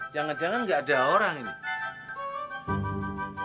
jangan jangan nggak ada orang ini